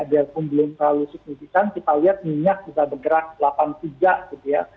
biarpun belum terlalu signifikan kita lihat minyak sudah bergerak delapan tiga gitu ya